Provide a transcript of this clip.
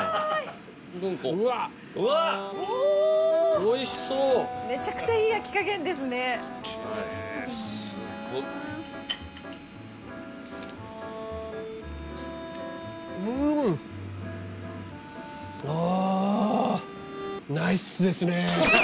・おいしそうめちゃくちゃいい焼き加減ですねうん！ああナイスですね